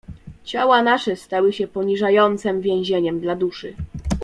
"Ciała nasze stały się poniżającem więzieniem dla duszy."